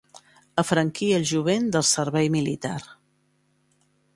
Afranquir el jovent del servei militar.